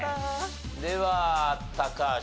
では高橋。